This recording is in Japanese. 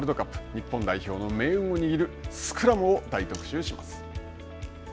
日本代表の命運を握るスクラムを大特集します。